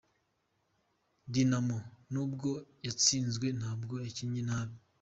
Dynamo nubwo yatsinzwe ntabwo yakinnye nabi.